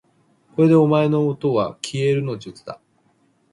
これでお前のおとはきえるの術だ